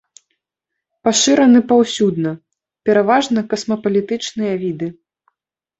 Пашыраны паўсюдна, пераважна касмапалітычныя віды.